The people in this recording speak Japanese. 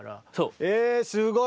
えすごい。